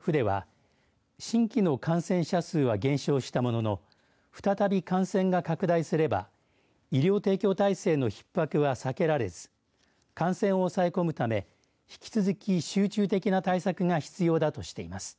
府では新規の感染者数は減少したものの再び感染が拡大すれば医療提供体制のひっ迫は避けられず感染を抑え込むため引き続き集中的な対策が必要だとしています。